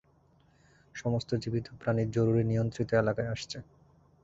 সমস্ত জীবিত প্রাণী জরুরী নিয়ন্ত্রিত এলাকায় আসছে।